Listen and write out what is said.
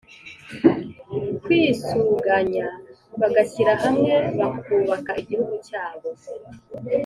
kwisuganya, bagashyira hamwe, bakubaka igihugu cyabo.